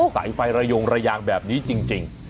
สายไฟระยงระยางแบบนี้จริง